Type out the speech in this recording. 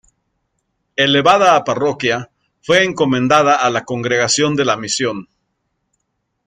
Elevada a parroquia, fue encomendada a la Congregación de la Misión.